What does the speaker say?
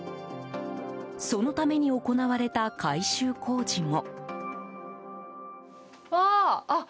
そのために行われた改修工事も。